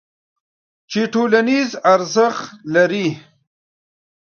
چې ټولنیز ارزښت لري.